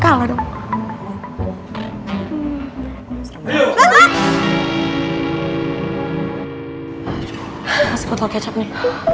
kasih kental kecap nih